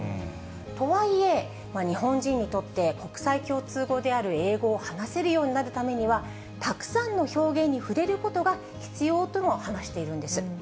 とはいえ、日本人にとって国際共通語である英語を話せるようになるためには、たくさんの表現に触れることが必要とも話しているんです。